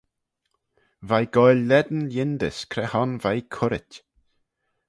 V'ee goaill lane yindys cre hon v'ee currit.